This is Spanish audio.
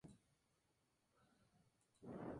Fruto globular, rojo.